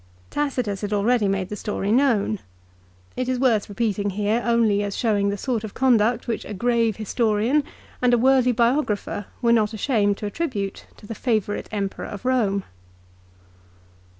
1 Tacitus had already made the story known 2 It is worth repeating here only as showing the sort of conduct which a grave historian and a worthy biographer were not ashamed to attribute to the favourite Emperor of Home.